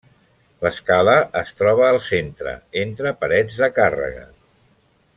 L'escala es troba al centre, entre parets de càrrega.